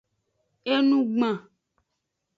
Enugban.